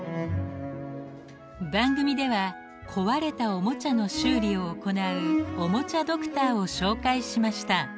番組では壊れたおもちゃの修理を行うおもちゃドクターを紹介しました。